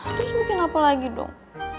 terus bikin apa lagi dong